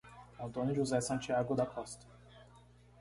Antônio José Santiago da Costa